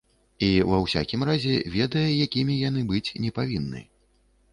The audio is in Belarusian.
І ва ўсякім разе ведае, якімі яны быць не павінны.